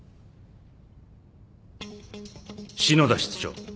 篠田室長。